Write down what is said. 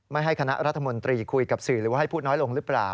ไม่ให้คณะรัฐมนตรีคุยกับสื่อหรือว่าให้พูดน้อยลงหรือเปล่า